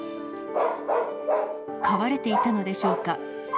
飼われていたのでしょうか。